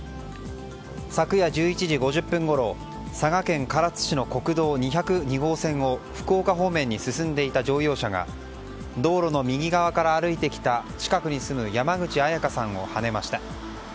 昨夜１１時５０分ごろ佐賀県唐津市の国道２０２号線を福岡方面に進んでいた乗用車が道路の右側から歩いていた近くに住む山口綾香さんをはねました。